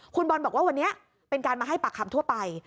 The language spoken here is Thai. คุณบอลบอกว่าวันนี้เป็นการมาให้ปากคำทั่วไป